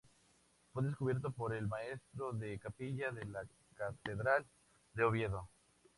Fue descubierto por el maestro de capilla de la Catedral de Oviedo.